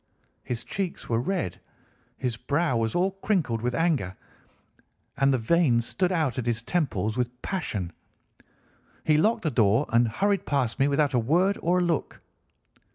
His cheeks were red, his brow was all crinkled with anger, and the veins stood out at his temples with passion. He locked the door and hurried past me without a word or a look.